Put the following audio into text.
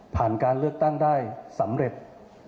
การเลือกตั้งได้สำเร็จ